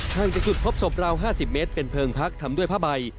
จากจุดพบศพราว๕๐เมตรเป็นเพลิงพักทำด้วยผ้าใบ